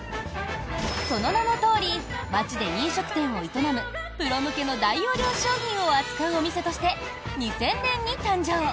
その名のとおり街で飲食店を営むプロ向けの大容量商品を扱うお店として２０００年に誕生。